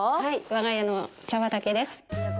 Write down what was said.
我が家の茶畑です。